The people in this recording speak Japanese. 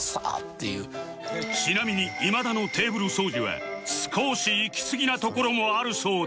ちなみに今田のテーブル掃除は少しいきすぎなところもあるそうで